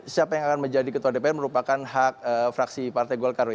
siapa yang akan menjadi ketua dpr merupakan hak fraksi partai golkar